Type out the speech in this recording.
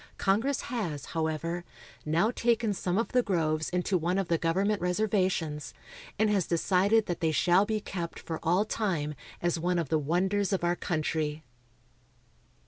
Congress, has, however, now taken some of the groves into one of the government reservations, and has decided that they shall be kept for all time as one of the wonders of our country.